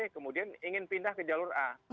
kemudian ingin pindah ke jalur a